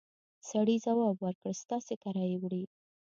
سړي ځواب ورکړ چې ستاسې کره يې وړي!